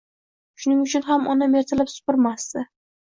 Shuning uchun onam ertalab supurmasdi.